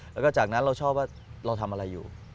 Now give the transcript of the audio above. แล้วก็จากนั้นเราชอบว่าเราทำอะไรอยู่